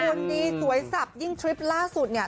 มันนี่สวยสับยิ่งตริปล่าสุดนี่